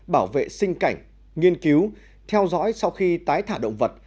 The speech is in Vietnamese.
bảo vệ sinh cảnh nghiên cứu theo dõi sau khi tái thả động vật